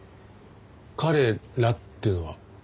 「彼ら」っていうのは？